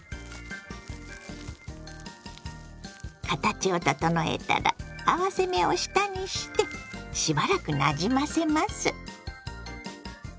形を整えたら合わせ目を下にしてしばらくなじませます。